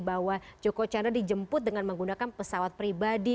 bahwa joko chandra dijemput dengan menggunakan pesawat pribadi